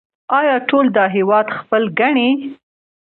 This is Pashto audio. آیا ټول دا هیواد خپل ګڼي؟